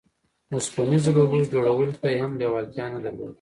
اوسپنيزو لولو جوړولو ته يې هم لېوالتيا نه درلوده.